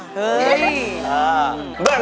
เฮ้ย